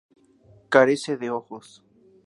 Carece de ojos.